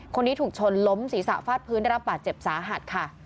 คนนี้ถูกชนล้มศีรษะฟาดพื้นได้รับบาดเจ็บสาหัสค่ะ